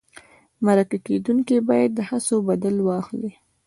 مرکه کېدونکی باید د هڅو بدل واخلي.